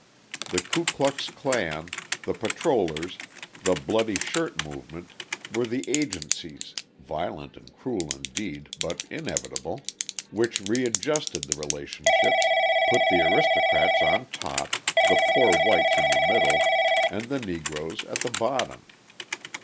The Ku Klux Klan, the Patrollers, the Bloody Shirt movement, were the agencies (violent and cruel indeed, but inevitable) which readjusted the relationships, put the aristocrats on top, the poor whites in the middle, and the Negroes at the bottom.